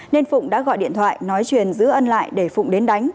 nên phụng đã gọi điện thoại nói truyền giữ ân lại để phụng đến đánh